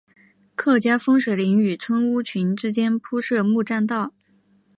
客家风水林与村屋群之间铺设木栈道。